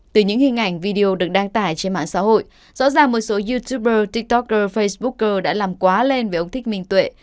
từ những hình ảnh video được đăng tải trên mạng xã hội rõ ràng một số youtuber tiktoker facebook đã làm quá lên về ông thích minh tuệ